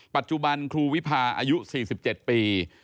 ปัจจุบันครูวิพาอายุ๔๗ปี